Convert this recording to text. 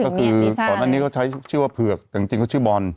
ก็คือตอนนั้นเนี้ยเขาใช้ชื่อเพือกจริงจริงเขาชื่อบอล